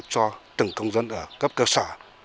cho từng công dân ở cấp cơ sở